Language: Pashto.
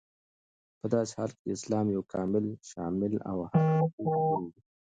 پداسي حال كې چې اسلام يو كامل، شامل او هر اړخيز دين دى